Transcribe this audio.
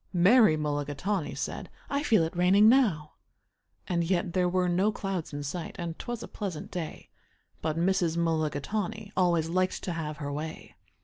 Mary Mulligatawny said, "I feel it raining now." And yet there were no clouds in sight, and 'twas a pleasant day, But Mrs. Mulligatawny always liked to have her way.